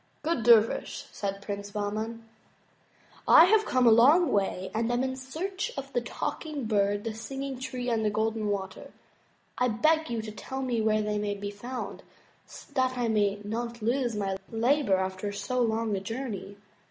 "Good dervish," said Prince Bahman, "I have come a long way and am in search of the Talking Bird, the Singing Tree, and the Golden Water. I beg you to tell me where they may be found, that I may not lose my labor after so long a journey."